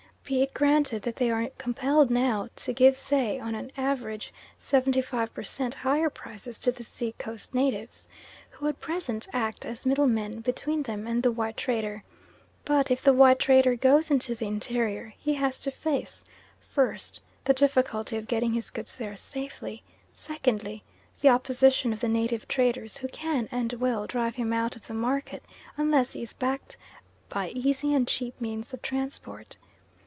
Be it granted that they are compelled now to give say on an average seventy five per cent. higher prices to the sea coast natives who at present act as middlemen between them and the white trader, but if the white trader goes into the interior, he has to face, first, the difficulty of getting his goods there safely; secondly, the opposition of the native traders who can, and will drive him out of the market, unless he is backed by easy and cheap means of transport.